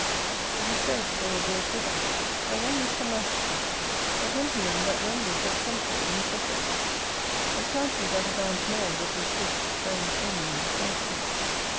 It is said, they were brought hither by one Mr. Mascal, a gentleman that then lived at Plumsted in Sussex, a county that abounds more with this fish than any in this nation.